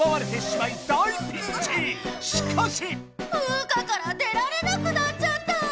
フウカから出られなくなっちゃった！